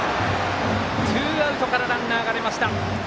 ツーアウトからランナーが出ました。